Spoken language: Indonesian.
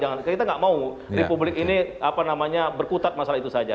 jangan kita nggak mau republik ini apa namanya berkutat masalah itu saja